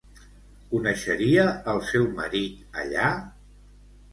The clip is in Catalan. Coneixeria el seu marit allà?